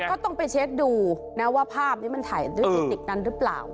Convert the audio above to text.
ก็ต้องไปเช็คดูนะว่าภาพนี้มันถ่ายด้วยทิติกนั้นหรือเปล่า